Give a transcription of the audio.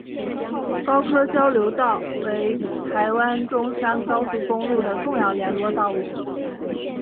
高科交流道为台湾中山高速公路的重要联络道路。